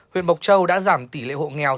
huyện bộc châu đã giảm tỷ lệ hộ nghèo